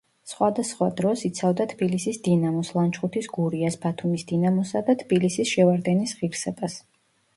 სხვადასხვა დროს იცავდა თბილისის „დინამოს“, ლანჩხუთის „გურიას“, ბათუმის „დინამოსა“ და თბილისის „შევარდენის“ ღირსებას.